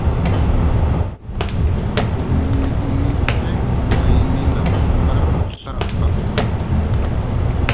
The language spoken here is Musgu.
Te wiyini seŋ mayni nʼavut par Ɵa bas.